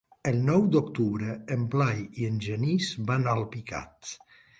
El nou d'octubre en Blai i en Genís van a Alpicat.